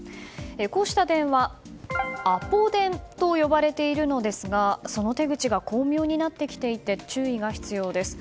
こうした電話アポ電と呼ばれているのですがその手口が巧妙になってきていて注意が必要です。